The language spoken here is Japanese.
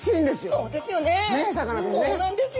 そうなんですよ。